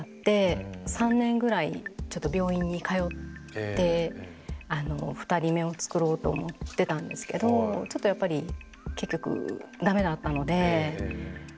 ３年ぐらい病院に通って２人目を作ろうと思ってたんですけどちょっとやっぱり結局ダメだったので。